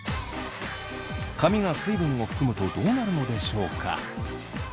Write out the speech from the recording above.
髪が水分を含むとどうなるのでしょうか？